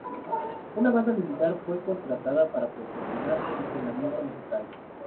Una banda militar fue contratada para proporcionar entretenimiento musical.